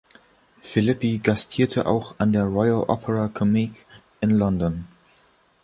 Philippi gastierte auch an der Royal Opera Comique in London.